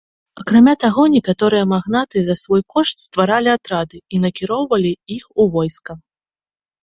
Акрамя таго некаторыя магнаты за свой кошт стваралі атрады і накіроўвалі іх у войска.